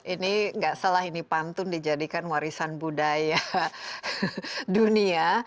ini nggak salah ini pantun dijadikan warisan budaya dunia